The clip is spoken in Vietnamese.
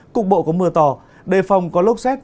cục bộ có mưa to đề phòng có lốc xét